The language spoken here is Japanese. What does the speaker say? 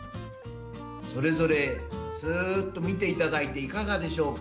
それぞれ見ていただいていかがでしょうか。